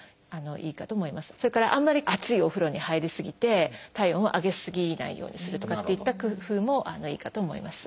それからあんまり熱いお風呂に入り過ぎて体温を上げ過ぎないようにするとかといった工夫もいいかと思います。